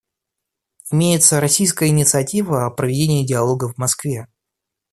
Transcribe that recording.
Имеется российская инициатива о проведении диалога в Москве.